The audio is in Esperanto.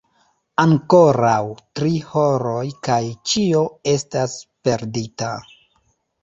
Ankoraŭ tri horoj kaj ĉio estas perdita!